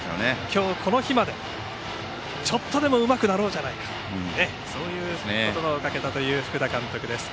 今日、この日までちょっとでもうまくなろうじゃないかという言葉をかけたという福田監督です。